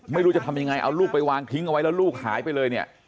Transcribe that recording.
ไม่รู้จะทำยังไงเอาลูกไปวางทิ้งเอาไว้แล้วลูกหายไปเลยเนี่ย